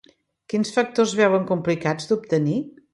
Quins factors veuen complicats d'obtenir?